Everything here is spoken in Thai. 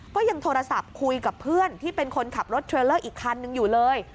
ก็ยังโทรศัพท์คุยกับเพื่อนที่เป็นคนขับรถเทรลเลอร์อีกคันนึงอยู่เลย